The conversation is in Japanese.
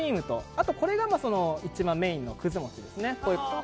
あと、これはメインのくずもちですね。